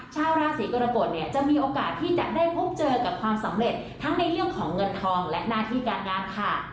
ชาวราศีกรกฎเนี่ยจะมีโอกาสที่จะได้พบเจอกับความสำเร็จทั้งในเรื่องของเงินทองและหน้าที่การงานค่ะ